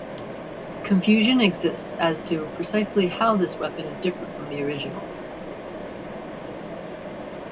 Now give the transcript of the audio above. Confusion exists as to precisely how this weapon is different from the original.